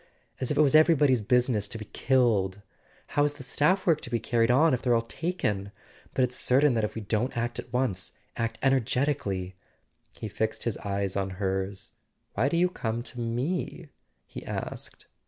As if it was everybody's business to be killed ! How's the staff work to be carried on if they're all taken ? But it's certain that if we don't act at once ... act energetically. . He fixed his eyes on hers. "Why do you come to me?" he asked.